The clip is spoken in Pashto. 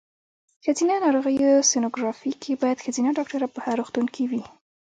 ښځېنه ناروغیو سینوګرافي کې باید ښځېنه ډاکټره په هر روغتون کې وي.